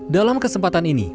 dalam kesempatan ini